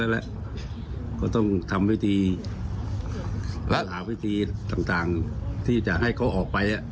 เขาต้องทำวิธีหารอีกต่างที่จะให้เขาออกไป